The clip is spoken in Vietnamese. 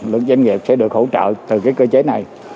luật doanh nghiệp sẽ được hỗ trợ từ cái cơ chế này